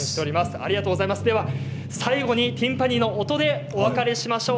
最後にティンパニーの音でお別れしましょう。